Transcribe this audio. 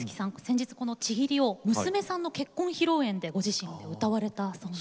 先日この「契り」を娘さんの結婚披露宴でご自身で歌われたそうなんです。